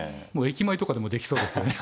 駅前とかでもできそうですよね。